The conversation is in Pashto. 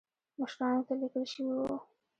مشرانو ته لیکل شوي وو.